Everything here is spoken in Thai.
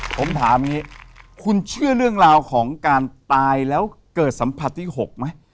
ผมถามอย่างนี้คุณเชื่อเรื่องราวของการตายแล้วเกิดสัมผัสที่๖ไหม